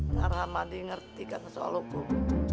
nah rahmadi ngerti kan soal hukum